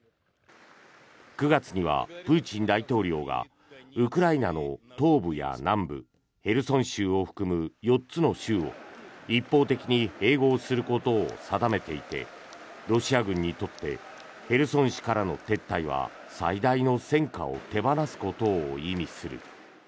９月にはプーチン大統領がウクライナの東部や南部ヘルソン州を含む４つの州を一方的に併合することを定めていてロシア軍にとってヘルソン市からの撤退は最大の戦果を手放すことを意味する。